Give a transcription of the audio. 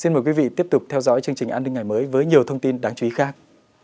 xin mời quý vị tiếp tục theo dõi chương trình an ninh ngày mới với nhiều thông tin đáng chú ý khác